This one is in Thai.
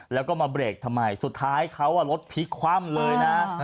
แล้วก็มาเบรกทำไมสุดท้ายเขารถพลิกคว่ำเลยนะ